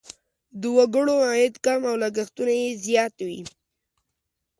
د وګړو عاید کم او لګښتونه یې زیات وي.